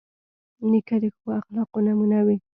نیکه د ښو اخلاقو نمونه وي.